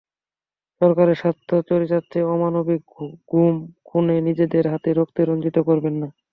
সরকারের স্বার্থ চরিতার্থে অমানবিক গুম, খুনে নিজেদের হাত রক্তে রঞ্জিত করবেন না।